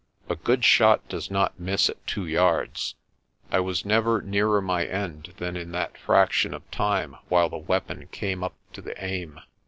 A good shot does not miss at two yards. I was never nearer my end than in that fraction of time while the weapon came up to the aim.